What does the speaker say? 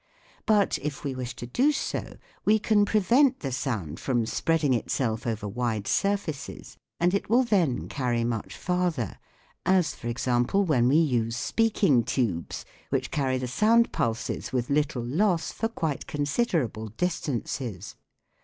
But, if we wish to do so, we can prevent the sound from spreading itself over wide surfaces, and it will then carry much farther, as, for example, when we use speaking tubes, which carry the sound pulses with little loss for quite consider able distances.